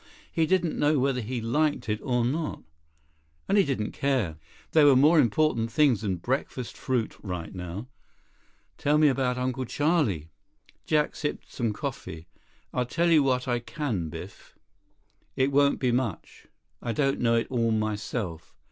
He didn't know whether he liked it or not. And he didn't care. There were more important things than breakfast fruit right now. "Tell me about Uncle Charlie." Jack sipped some coffee. "I'll tell you what I can, Biff. It won't be much. I don't know it all myself.